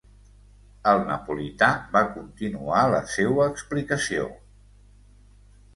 El napolità va continuar la seua explicació.